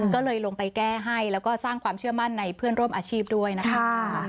ก็เลยลงไปแก้ให้แล้วก็สร้างความเชื่อมั่นในเพื่อนร่วมอาชีพด้วยนะคะ